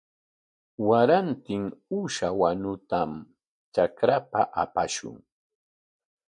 Warantin uusha wanutam trakrapa apashun.